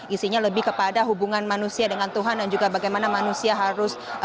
isinya lebih kepada hubungan manusia dengan tuhan dan juga bagaimana manusia harus